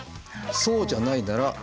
そうじゃないならまた